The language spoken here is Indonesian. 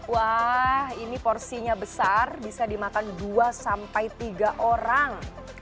wah ini porsinya besar bisa dimakan dua sampai tiga orang